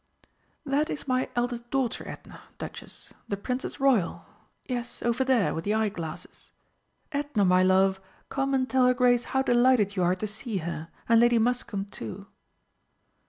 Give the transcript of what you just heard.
"That is my eldest daughter, Edna, Duchess, the Princess Royal ... yes, over there, with the eye glasses. Edna, my love, come and tell her Grace how delighted you are to see her, and Lady Muscombe too."